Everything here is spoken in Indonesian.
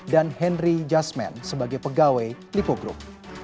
dan henry jasman sebagai pegawai lipo group